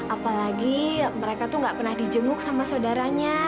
apalagi mereka tuh gak pernah di jenguk sama saudaranya